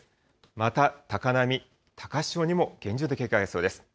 また、高波、高潮にも厳重な警戒が必要です。